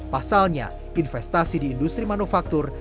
pasalnya investasi di industri manufaktur